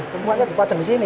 tempatnya dipajang di sini